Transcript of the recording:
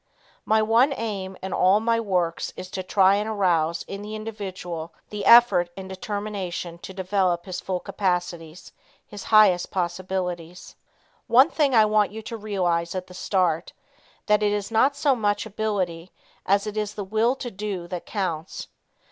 My one aim in all my works is to try and arouse in the individual the effort and determination to develop his full capacities, his highest possibilities. One thing I want you to realize at the start, that it is not so much ability, as it is the will to do that counts.